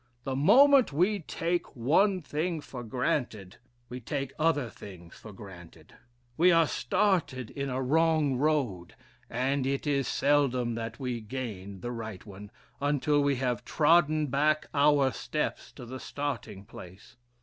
The moment we take one thing for granted, we take other things for granted; we are started in a wrong road, and it is seldom that we gain the right one, until we have trodden back our steps to the starting place.